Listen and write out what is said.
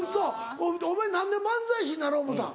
ほんでお前何で漫才師になろう思うたん？